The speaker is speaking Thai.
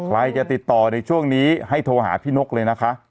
ใครจะติดต่อในช่วงนี้ให้โทรหาพี่นกเลยนะคะ